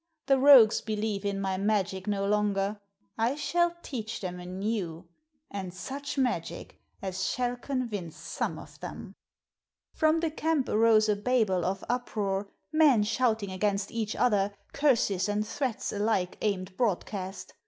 The rogues believe in my magic no longer; I shall teach them anew, and such magic as shall convince some of them." From the camp arose a babel of uproar, men shouting against each other, curses and threats alike aimed broadcast.